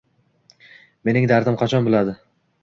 Mening dardim qachon biladi